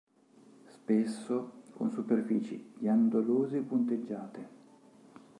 Spesso con superfici ghiandolose-punteggiate.